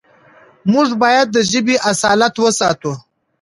موږ بايد د ژبې اصالت وساتو.